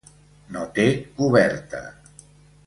No té coberta.